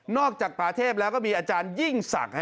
จากป่าเทพแล้วก็มีอาจารยิ่งศักดิ์